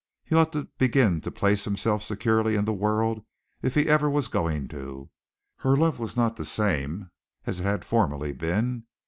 He ought to begin to place himself securely in the world if he ever was going to. Her love was not the same as it had formerly been.